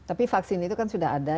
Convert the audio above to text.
tapi vaksin itu kan sudah ada